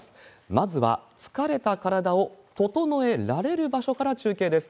まずは疲れた体をととのえられる場所から中継です。